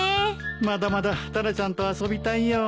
まだまだタラちゃんと遊びたいよ。